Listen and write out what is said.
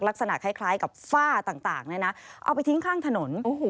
ลักษณะคล้ายกับฝ้าต่างเอาไปทิ้งข้างถนน